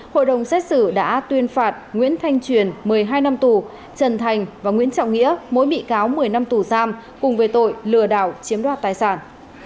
hội đồng xét xử đã tuyên phạt nguyễn thanh truyền một mươi hai năm tù trần thành và nguyễn trọng nghĩa mỗi bị cáo một mươi năm tù giam cùng về tội lừa đảo chiếm đoạt tài sản